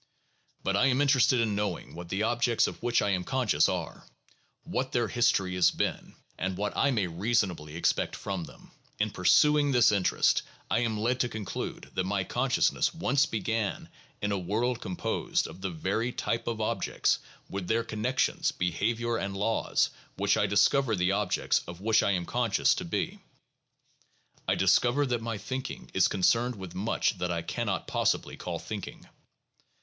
But I am interested in knowing what the objects of which I am conscious are, what their history has been, and what I may reasonably expect from them. In pursuing this interest, I am led to conclude that my consciousness once began in a world composed of the very type of objects, with their connections, behavior, and laws, which I discover the objects of which I am conscious to be. I discover that my thinking is concerned with much that I cannot possibly call thinking.